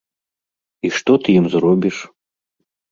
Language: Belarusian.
І што ты ім зробіш?